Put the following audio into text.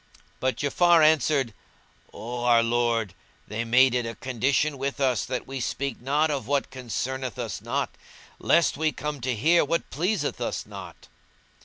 But Ja'afar answered, "O our lord, they made it a condition with us that we speak not of what concerneth us not, lest we come to hear what pleaseth us not."